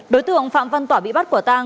đối tượng phạm văn tỏa bị bắt quả tang